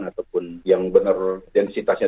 ataupun yang benar densitasnya